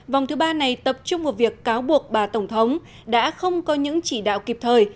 vòng thứ ba này tập trung vào việc cáo buộc bà tổng thống đã không có những chỉ đạo kịp thời